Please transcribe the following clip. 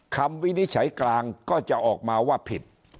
วินิจฉัยกลางก็จะออกมาว่าผิด